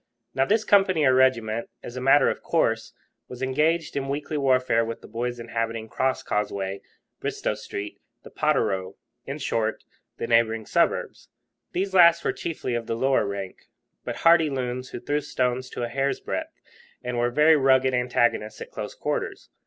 Now this company or regiment, as a matter of course, was engaged in weekly warfare with the boys inhabiting the Crosscauseway, Bristo Street, the Potterrow in short, the neighbouring suburbs. These last were chiefly of the lower rank, but hardy loons, who threw stones to a hair's breadth and were very rugged antagonists at close quarters.